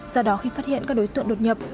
do đó khi phát hiện các đối tượng đột nhập